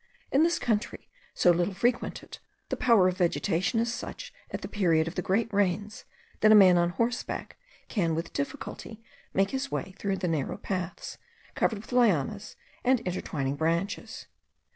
In this country, so little frequented, the power of vegetation is such at the period of the great rains, that a man on horseback can with difficulty make his way through narrow paths, covered with lianas and intertwining branches.